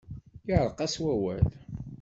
Yeɛreq-as wawal.